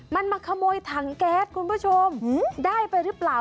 มันมาขโมยถังแก๊สคุณผู้ชมได้ไปหรือเปล่า